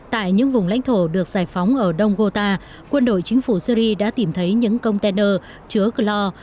tại những vùng lãnh thổ được giải phóng ở đông gota quân đội chính phủ syri đã tìm thấy những container chứa chloor